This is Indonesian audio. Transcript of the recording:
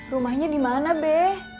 rumahnya dimana be